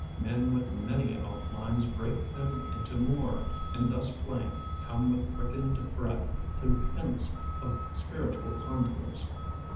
Men with many outlines Break them into more, and thus Flaying, come with quickened breath To hints of spiritual contours.